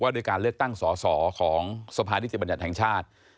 ด้วยการเลือกตั้งสอสอของสภานิติบัญญัติแห่งชาติ